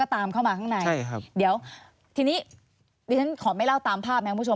ใช่ครับเดี๋ยวทีนี้ดิฉันขอไม่เล่าตามภาพนะคุณผู้ชม